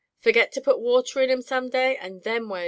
Forget to put water in 'em some day, and then where'U ye be